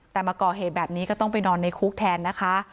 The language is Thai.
แต่มาก่อเหตุแบบนี้ก็ต้องไปนอนในคุกแทนนะคะ